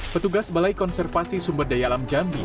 petugas balai konservasi sumber daya alam jambi